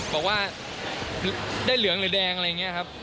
บอกว่าได้เหลืองหรือแดงอะไรอย่างนี้ครับ